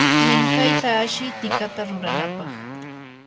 minkayta ashi tikata ruranampaq.